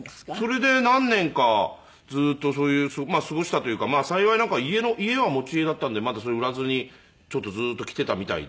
それで何年かずっとそういう過ごしたというか幸い家は持ち家だったんでまだそれ売らずにちょっとずっときていたみたいで。